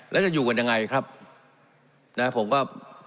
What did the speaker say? แล้วจะอยู่กันยังไงครับนะผมก็